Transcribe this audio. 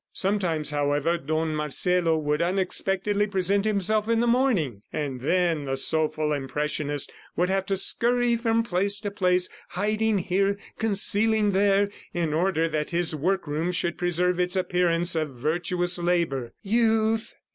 Sometimes, however, Don Marcelo would unexpectedly present himself in the morning, and then the soulful impressionist would have to scurry from place to place, hiding here, concealing there, in order that his workroom should preserve its appearance of virtuous labor. "Youth